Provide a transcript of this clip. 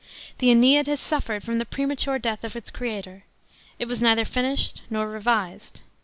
f The JSneid has suffered from the premature death of its creator ; it was neither finished nor revised.